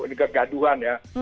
ini kegaduhan ya